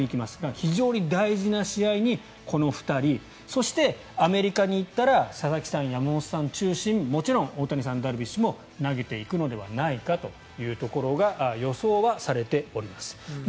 非常に大事な試合にこの２人そして、アメリカに行ったら佐々木さん、山本さんを中心にもちろん大谷さんダルビッシュさんも投げていくのではないかというところが予想はされております。